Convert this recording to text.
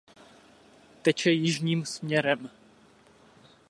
Teče jižním směrem.